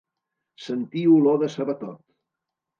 Sentir olor de sabatot.